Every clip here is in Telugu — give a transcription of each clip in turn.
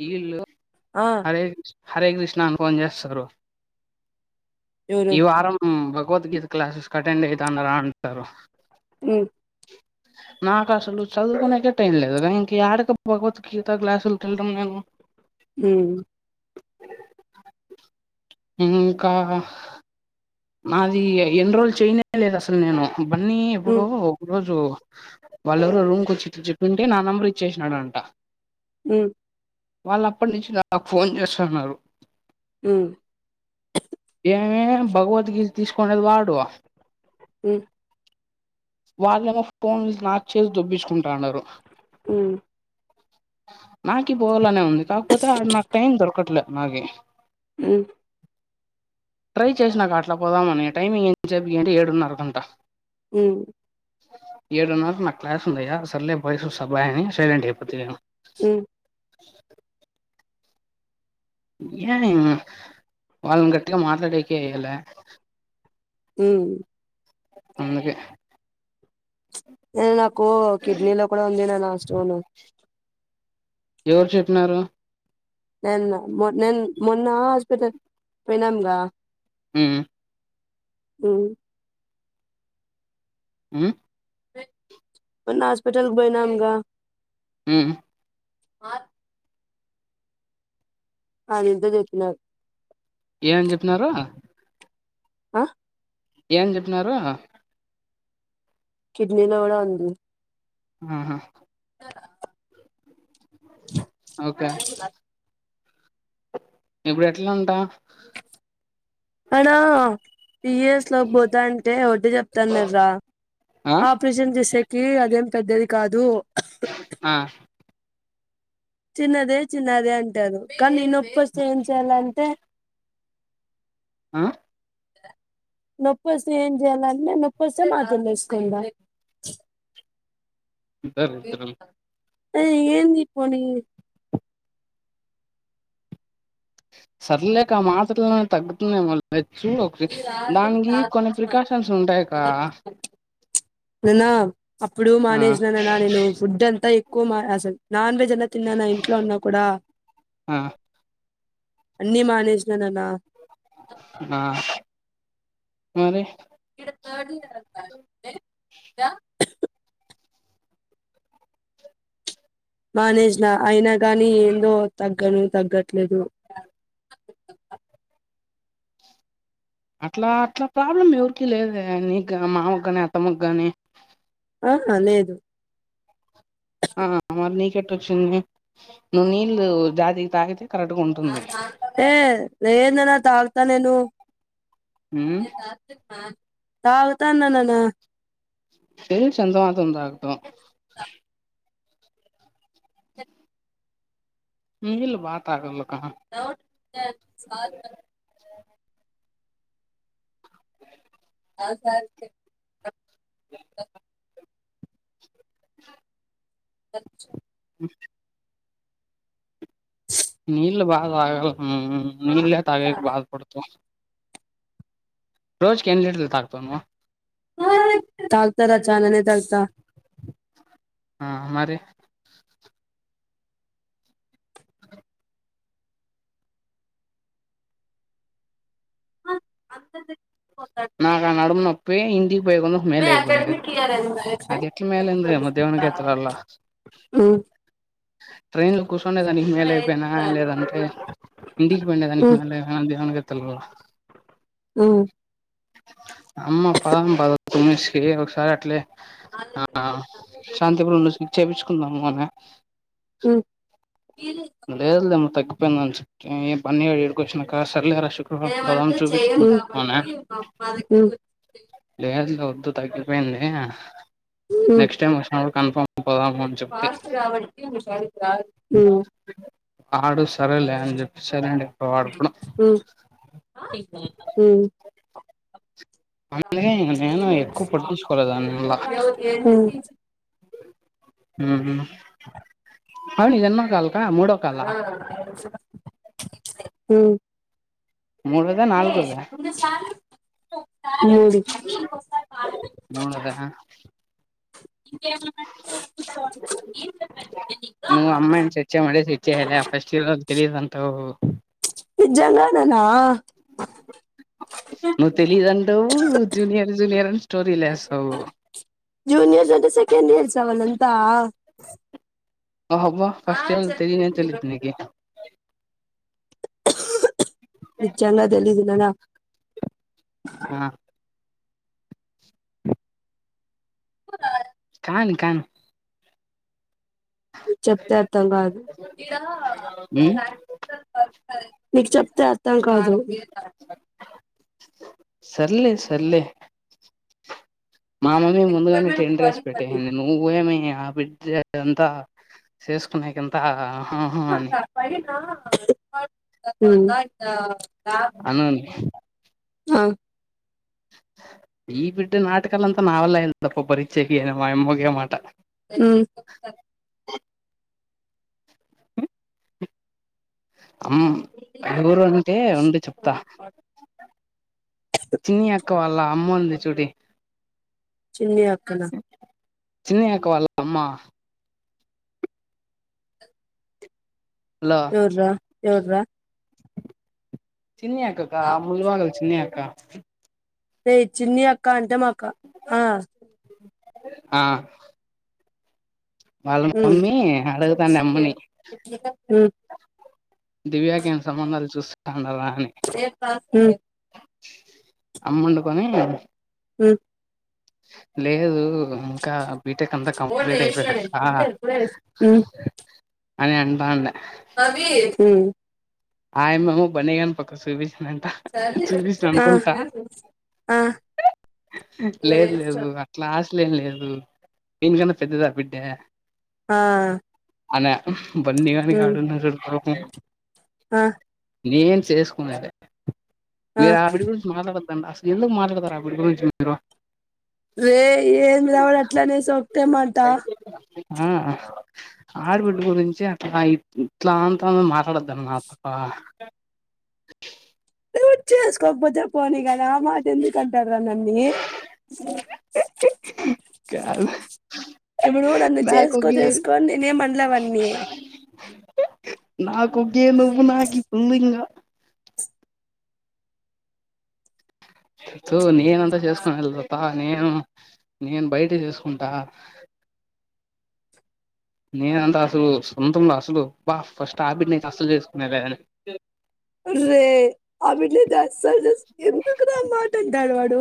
వీళ్ళు ఆ హరే హరే కృష్ణ అని ఫోన్ చేస్తారు ఎవరు ఈ వారం భగవద్గీత క్లాసెస్ కి అటెండ్ అయితాన్నారా అంటారు మ్మ్ నాకసలు చదువుకునేకే టైం లేదకా ఇంక యాడక్క భగవద్గీత క్లాసులు తింటం మేము మ్మ్ మ్మ్ కః మాది ఎన్రోల్ చేయనే లేదు అసలు నేను బన్నీ ఎప్పుడు ఉమ్, ఒక రోజు వాళ్ళెవరో రూమ్కి వచ్చి ఇట్ల చెప్పింటే నా నెంబర్ ఇచ్చేసినాడంట మ్మ్ వాళ్ళప్పటి నుంచి నాకు ఫోన్ చేస్తన్నారు మ్మ్ ఏమే భగవద్గీత తీసుకొండేది వాడు హమ్మ్ వాళ్ళేమో ఫోన్లు నాకు చేసి దొబ్బిచ్చుకుంటాన్నారు ఉ నాకి పోవాలనే ఉంది కాకపోతే ఆడ నాకు టైం దొరకట్లేదు నాకి ఉ ట్రై చేసినక అట్లా పోదామని టైమింగ్ ఏ చెప్ప ఏంటే ఏడున్నర గంట ఉ ఏడున్నరకు నాకు క్లాస్ ఉందియ సర్లే బాయస్ సబాయని సైలెంట్ అయిపోత నేను హ [inaudible] ఏ వాళ్ళన్ గట్గా మాట్లాడకలా అ అందుకే న నాకు కిడ్నీ లో కూడా ఉంది నా లాస్ట్ మను ఎవరు చెప్పినారు నేన్న మొ నేన్ మొన్న హాస్పిటల్ పోయినాంగా హ ఉ హు మొన్న హాస్పిటల్ పోయినము గా హ ఆ అదింత చెతున్నారు ఏమని చెప్పినారు ఆ ఏమని చెప్పినారు కిడ్నీలో కూడా ఉంది ఆహా [inaudible] ఓకే ఇప్పుడు ఎట్లా అంట అణ పియర్స్ లోకి పోతా అంటే వడ్లు చెక్కుతా అన్నారా ఆ ఆపరేషన్ చేసేకి అదేం పెద్దది కాదు ఆ చిన్నదే చిన్నదే అంటారు కానీ నే నొప్ప వస్తే ఏం చేయాలంటే హ నొప్ప వస్తే ఏం చేయాలంటే నొప్పస్తే మాత్రలు వేసుకుందాం ధరిదుర్లు హ ఏంది పని సర్లే అక్క ఆ మాత్రలకి తగ్గుతుందేమో చూడక దానికి కొన్ని ప్రికాషన్స్ ఉంటాయి అక్క నాన్న అప్పుడు మానేసినాన్న నేను ఫుడ్ అంతా ఎక్కువ మా అసలు నాన్ వెజ్ అస తిన్నాను ఇంట్లోఉన్నా కూడా ఆ అన్ని మానేసిన నాన్న ఆ మరి దా మానేసిన అయినా గానీ ఏందో తగ్గనే తగ్గట్లేదు [inaudible] అట్లా అట్లా ప్రాబ్లమ్ ఎవరికి లేదు నీకు మామ కాని అతమ్మకు గాని అహా లేదు ఆ మరి నీ ఎట్లొచ్చింది నీళ్లు జాకి ప్యాకెట్ ఏ లేదు రా తాగుతా నేను ఉమ్ తాగుతన్న నాన్న తెలుసు ఎంతమాత్రం దాకో ఆ నీల్ బాగ తగల [unintelligible] అ శాంతి అచ్చు వ నీళ్ బాగా తాగాలా అమ్మ నీళ్లే తగేకి బాధపడతావు రోజుకి ఎన్ని లీటర్లు తాగుతావు నువ్వు తాగుతారా చాననే తాగుతా ఆ మరి అత్తదే నాకు ఆ నడుము నొప్పి ఇంటికి పోయ కొందు మేల్ లేకపోయే అది ఎట్లా మేలందిమె దేవునికే తెల్వాల ఉమ్ ట్రైన్లో కూర్చోండేదానికి మేలయిపోయినా లేదంటే ఇంటికి పోయి ఉండే దానికి ఉమ్ మళ దేవునికే తెల్వదా ఉమ్ అమ్మ పోదాం పద పుణ్య శ్రీ ఒకసారి అట్లే ఆ శాంతి పూజ చేపియించుకుందాము అనే ఉమ్ ఏం పని లేదా ఇక్కడికి వచ్చినవ్ సర్ లేరా శుక్రవారం పోదాం మేమంటే చెయ్యం చూపిచ్చుకుందాం అనే కాబట్టి మా దగ్గరికి లేదులే వద్దు తగ్గిపోయింది ఉమ్ నెక్స్ట్ టైమ్ వచ్చినప్పుడు కన్ఫర్మ్ అ పోదాము అని చెప్తి ఉమ్ వాడు సరేలే అని చెప్పి సైలెంట్ అయిపోయా వాడుకూడా ఉమ్ ఉమ్ అందుకే నేను ఎక్కువ పట్టించుకోలేదు వాన్ని మల్లా మూడు ఉ మ్మ్ అవును ఇది ఎన్నో కాల్ మూడో కాలా అ హ్మ్మ్ మూడోద నాలుగోధ మూడు మూడోదా నువ్ అమ్మాయిని సెట్ చేయమంటే సెట్ చేయలే ఫస్ట్ ఇయర్ వాళ్ళు తెలిదు అంటావు నిజంగానేనా నువ్ తెలీదంటావు జూనియర్ జూనియర్ అని స్టోరీలేస్థవు జూనియర్స్ అంటే సెకెండ్ ఇయర్స్ ఆ వాలంతా అబ్బ ఫస్ట్ ఇయర్ ఓల్ తెలియనే తెలియదు నీకి నిజంగా తెలియదు నయినా ఆ కానీ కానీ చెప్తే అర్థం కాదు ఉమ్ నీకు చెప్తే అర్థం కాదు సర్లే సర్లే మా మమ్మీ ముందుగానే టెన్ డ్రేస్ పెట్టేసింది నువ్వు ఏమి య బిడ్జె అంతా చేసుకునేకంత హ్మ్ అనన్ ఆ ఈ బిడ్డ నాటకాలంతా నా వాళ్ళ [unintelligible] అప్ప భరించేకి మాయమ్మ ఒకే మాట హ్మ్ అమ్ ఎవరు అంటే ఉండు చెప్తా చిన్ని అక్క వాళ్ళ అమ్మ ఉంది చూడి చిన్ని అక్క నా చిన్ని అక్క వాళ్ళ అమ్మా లో ఎవర్రా ఎవర్రా చిన్ని అక్క కా అమూల్ వాళ్ళ చిన్ని అక్క రే చిన్ని అక్క అంటే మాక్ ఆ ఆ వాళ్ళ హ్మ్ మమ్మీ అడుగుతాంది అమ్మని హ్మ్ బాన్నారా హ్మ్ అమ్మ ఉండుకొని హ్మ్ లేదు ఇంకా బీటెక్ అంతా కంప్లీట్ అయిపోయినాక అని అంటండే హ్మ్ ఆయమ్మ ఏమో బన్ని గాని పక్క సూపి స్ అని అంట చూపించ్ ఆ అనుకుంటా ఆ లేదు లేదు అట్లా ఆశలేం లేదు వినికన్నా పెద్దది ఆ బిడ్డ ఆ అనే బన్ని గాని కాడ ఉమ్ ఉన్నారు తవనే ఆ నేనే చేసుకునే అదే ఆ మీరు ఆవిడ గురించి మాట్లాడద్దు తండ్ అసలు ఎందుకు మాట్లాడుతారు ఆవిడ గురించి మీరు రే ఏందిరా ఆవిడ అట్లనే సోక్తే మంట ఆ ఆడబిడ్డ గురించి అట్లా ఇట్లా అంతా మాట్లాడొద్దన్న మాట ఆ చేసుకోకపోతే పోనీ కదా ఆ మాట ఎందుకు అంటావ్ టారా నన్ని కాలే ఇప్పుడు నన్ను చేసుకో చేసుకో నేనేం అన్లే వాణ్ణి నాకు ఒకే నువ్వు నాకి ఉంది ఇంగా తో నేను వంట చేసుకొని వేల్లప్ప నేను నేను బయట చేసుకుంటా నేనంతా అసలు సొంతంలో అసలు బా ఫస్ట్ ఆ బిడ్డనైతే అస్సలు చేసుకునేదే అని అరే ఆ బిడ్డనైతే అస్సలు చేసుకో ఎందుకు దాని మాట వింటాడు వాడు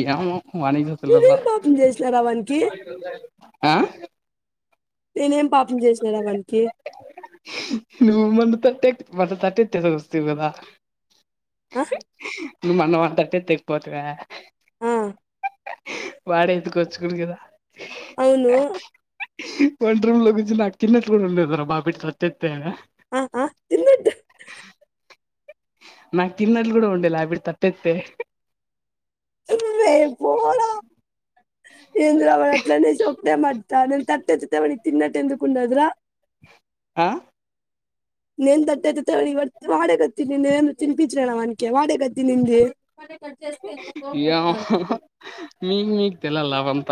ఏమో వానికే పిల్లల నేనేం పాపం చేసినారా వానికి హా నేనేం పాపం చేసినారా వానికి నువ్ మొన్న తటేక్ వాటి తట్టేఎతేసి వస్తివి కదా ఆ నువ్ మన్న వాని తట్టెతేకి పోతివా ఆ వాడే ఎత్తుకొచ్చుకును కదా అవును వంట రూమ్ లో కూర్చొని నాకు తిన్నట్లు కూడా ఉండ్లేదురా బాబు ఇట్టతే ఆ ఆ తిన్నట్టు నాకు తిన్నట్లు కూడా ఉండేలా అవిడ తట్టేతే ఒరేయ్ పోడా ఏందిరా వాడు అట్లనేశా డే మడ్తానిల్ తట్టేతితే వానికి తిన్నట్టు ఎందుకు ఉండదు రా ఆ నేను తట్టేతితే వానికి వాడే కదా తినింది నేనేమన్నా తినిపించిన నా వానికి వాడే గే తినింది ఏమో మీకు మీకు తెల్ల లావంత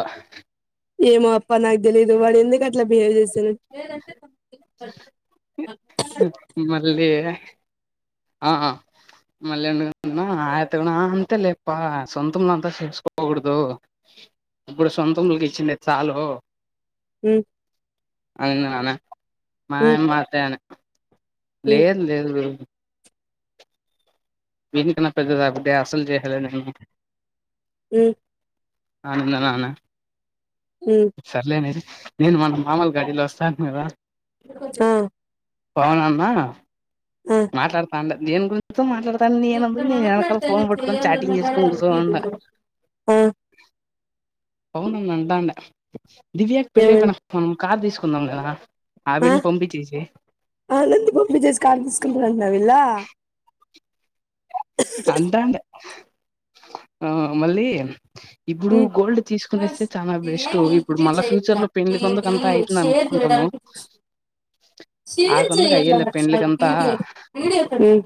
ఏమో అప్ప నాకు తెలిదు వాడు ఎందుకు అట్లా బిహేవ్ చేస్తునాడో మళ్ళీ ఆ మళ్ళీ ఎందుకంటున్నా ఆ యాత్త గునా అంతే లేప్ప సొంతం దాంతో చేసుకోకూడదు ఇప్పుడు సొంతమోల్లకి ఇచ్చిండేది సాలు ఉమ్ అనింది నానే ఉమ్ మాయమ్మ అదే అన్య ఉమ్ లేదు లేదు గురు దినికన్నా పెద్దది ఆబ్బె అసలు చేసేదిలే నేను ఉమ్ అనింది నానా ఉమ్ సర్లేనే నేను మన మామోల గడిలో వస్తాను కదా ఉమ్ పవన్ అన్న మాట్లాడతాండే దేనిగురించో మాట్లాడతా తను నేనంతకు నేను ఎనకాల ఫోన్ పట్టుకుని చాటింగ్ చేసుకొని కుసోనుందా ఆ పవన్ అన్న అంటాండే దివ్యకి పెళ్లి ఏమైంది అయిపోయినాక మనం కార్ తీసుకుందాం లేరా ఆవిడని పంపిచేసి ఆనందు పంపిచేసి కార్ తీసుకుంటామన్నరా విళ్ళ అంటాండే ఆ మళ్లీ ఇప్పుడు ఉమ్ గోల్డ్ తీసుకునేస్తే చానా బెస్ట్ ఇప్పుడు మళ్ళా ఫ్యూచర్ లో పెళ్లి కందుకు అంత అయితుందనుకో ఉంటాము షేర్ చేయండి అంట త పెండ్లికంతా [unintelligible] విడియో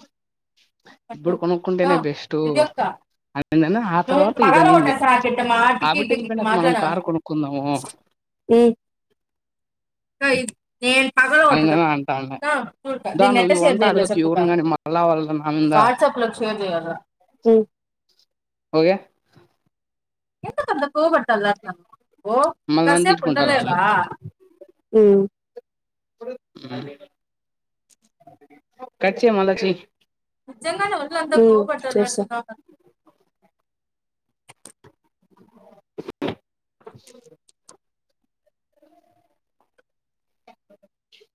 ఇప్పుడు కొనుక్కుంటేనే బెస్ట్ ఆ ఏందన్న ఆ తర్వాత ఇదనేంది ఆవిటి వెళ్లిపోయి నాక మనం కార్ కొనుక్కుందాము ఏ పగల కొట్టుద్దాం అనిందని అంటాన్న దా దీని నువ్వు ఎట్లా షేర్ ఇవంతా చేయాలో అడగద్దు చెప్పు ఎవరిని గాని మళ్ళా వాళ్ళ నా మింద వాట్సాప్ వీళ్ళకు షేర్ చేయలా హోగయా ఏంత కొంద స్ూబట్టల అతం ఓ మళ్ళీ నన్ను కాసేపు తిట్టుకుంటారు వాళ్ళు ఉండలేవా ఉమ్ కట్ చేయి మాళ్ళ చేయి ఉమ్ చేస్తా అ స